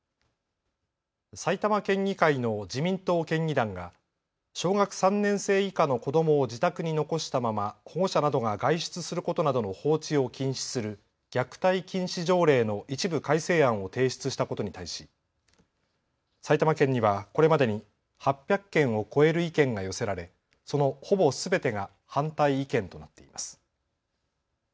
埼玉県議会の自民党県議団が小学３年生以下の子どもを自宅に残したまま保護者などが外出することなどの放置を禁止する虐待禁止条例の一部改正案を提出したことに対し埼玉県にはこれまでに８００件を超える意見が寄せられそのほぼすべてが反対意見となっています。